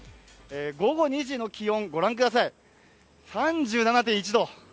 午後２時の気温、御覧ください３７．１度！